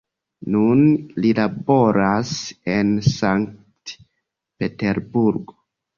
Nun li laboras en Sankt-Peterburgo.